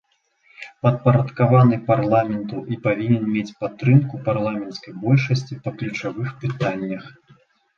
Падпарадкаваны парламенту і павінен мець падтрымку парламенцкай большасці па ключавых пытаннях.